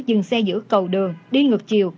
dừng xe giữa cầu đường đi ngược chiều